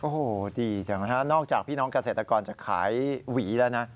โอ้โหดีจังนะฮะนอกจากพี่น้องเกษตรกรจะขายหวีแล้วนะ